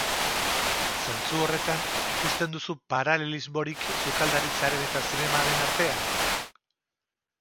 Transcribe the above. Zentzu horretan, ikusten duzu paralelismorik sukaldaritzaren eta zinemaren artean?